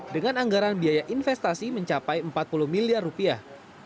dengan anggaran biaya investasi mencapai empat puluh miliar rupiah